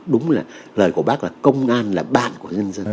đúng là lời của bác là công an là bạn của nhân dân